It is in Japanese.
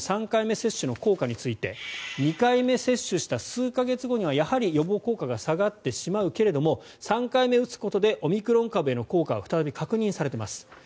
３回目接種の効果について２回目接種した数か月後にはやはり予防効果が下がってしまうけど３回目を打つことでオミクロン株への効果は再び確認されています。